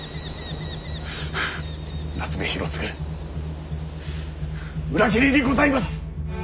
夏目広次裏切りにございます！